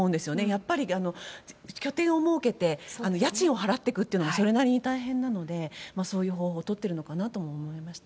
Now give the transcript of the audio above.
やっぱり拠点を設けて、家賃を払っていくというのも、それなりに大変なので、そういう方法を取ってるのかなと思いました。